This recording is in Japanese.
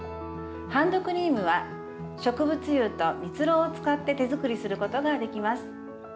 ハンドクリームは植物油とみつろうを使って手作りすることができます。